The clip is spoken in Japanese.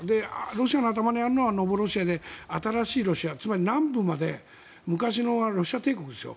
ロシアの頭にあるのはノボロシアで新しいロシア、南部まで昔のロシア帝国ですよ